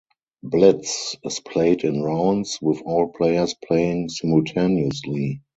"Blitz" is played in rounds, with all players playing simultaneously.